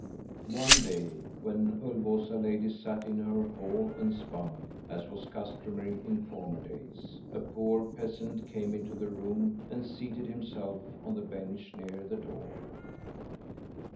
"One day, when Ulvåsa lady sat in her hall and spun, as was customary in former days, a poor peasant came into the room and seated himself on the bench near the door.